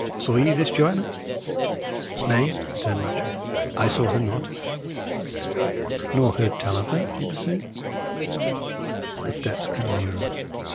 Saw ye this Joanna?" "Nay," returned Matcham, "I saw her not." "Nor heard tell of her?" he pursued. The steps drew nearer.